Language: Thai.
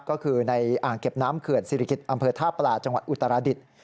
ก็คือในอ่างเก็บน้ำเขื่อนศิริกิจอำเภอท่าปลาจังหวัดอุตราดิษฐ์